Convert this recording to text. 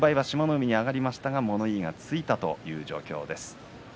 海に上がりましたが物言いがついたという状況です。